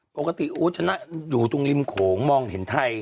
ปกติอยู่ตรงริมโขมองเห็นไท่